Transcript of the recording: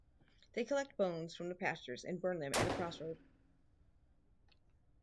They collect bones from the pastures and burn them at a crossroad.